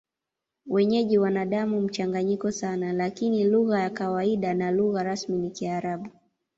Wenyeji wana damu mchanganyiko sana, lakini lugha ya kawaida na lugha rasmi ni Kiarabu.